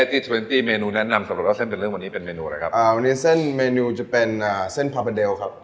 อเตอร์กรักเมนูเส้นที่ผมต้องรับซับมาวาด